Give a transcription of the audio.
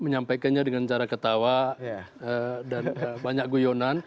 menyampaikannya dengan cara ketawa dan banyak guyonan